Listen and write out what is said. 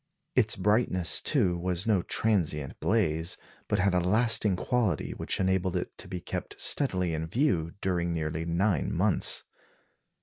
Its brightness, too, was no transient blaze, but had a lasting quality which enabled it to be kept steadily in view during nearly nine months.